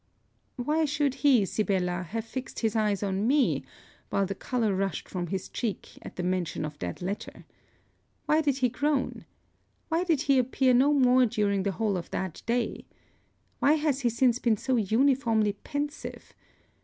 Why should he, Sibella, have fixed his eyes on me, while the colour rushed from his cheek, at the mention of that letter? Why did he groan? Why did he appear no more during the whole of that day? Why has he since been so uniformly pensive?